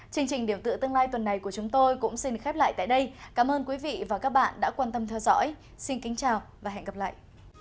chương trình điểm tựa tương lai tuần này của chúng tôi cũng xin khép lại tại đây cảm ơn quý vị và các bạn đã quan tâm theo dõi xin kính chào và hẹn gặp lại